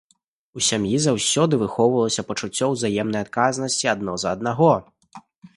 У сям'і заўсёды выхоўвалася пачуццё ўзаемнай адказнасці адно за аднаго.